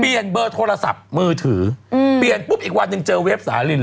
เบอร์โทรศัพท์มือถือเปลี่ยนปุ๊บอีกวันหนึ่งเจอเวฟสาลิน